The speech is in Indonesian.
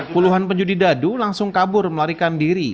puluhan penjudi dadu langsung kabur melarikan diri